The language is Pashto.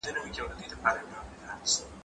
زه ښوونځی ته نه ځم؟